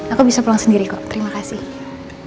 aku bisa pulang sendiri kok terimakasih